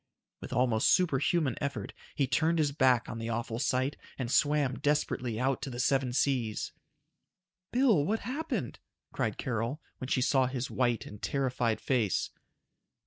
With almost superhuman effort, he turned his back on the awful sight and swam desperately out to the Seven Seas. "Bill, what's happened?" cried Carol, when she saw his white and terrified face.